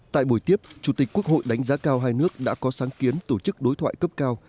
tại buổi tiếp chủ tịch quốc hội đánh giá cao hai nước đã có sáng kiến tổ chức đối thoại cấp cao